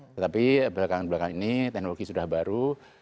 tetapi belakangan belakang ini teknologi sudah baru